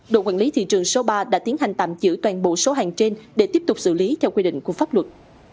đội quản lý thị trường số ba đã tiến hành tạm giữ toàn bộ số hàng trên để tiếp tục xử lý theo quy định của pháp luật